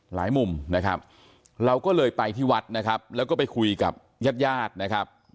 หลายมุมนะครับเราก็เลยไปที่วัดนะครับแล้วก็ไปคุยกับญาติญาตินะครับ